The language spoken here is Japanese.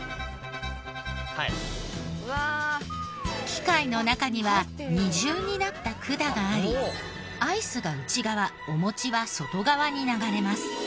機械の中には二重になった管がありアイスが内側お餅は外側に流れます。